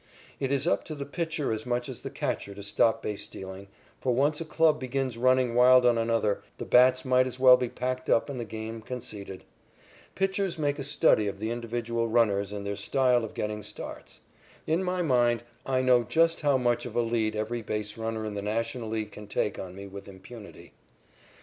It is up to the pitcher as much as the catcher to stop base stealing, for once a club begins running wild on another, the bats might as well be packed up and the game conceded. Pitchers make a study of the individual runners and their styles of getting starts. In my mind, I know just how much of a lead every base runner in the National League can take on me with impunity.